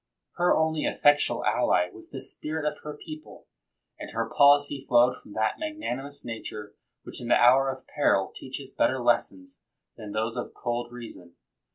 Her only effectual ally was the spirit of her people, and her policy flowed from that magnan imous nature which in the hour of peril teaches better lessons than those of cold reason.